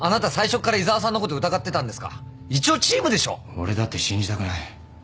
俺だって信じたくない。